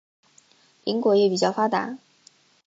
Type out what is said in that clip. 林果业比较发达。